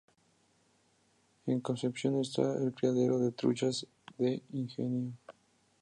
En Concepción está el criadero de truchas de Ingenio.